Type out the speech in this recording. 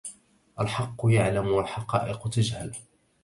الحق يعلم والحقائق تجهل